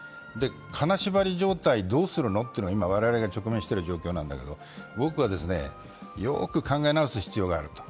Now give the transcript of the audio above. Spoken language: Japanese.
金縛り状態をどうするのってのが今、我々が直面している状態なんですけどよく考え直す必要があると。